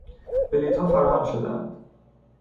بلیطها فراهم شدهاند.